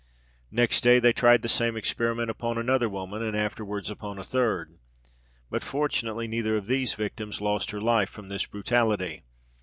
Next day, they tried the same experiment upon another woman, and afterwards upon a third; but, fortunately, neither of the victims lost her life from this brutality.